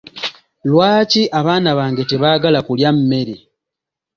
Lwaki abaana bange tebaagala kulya mmere?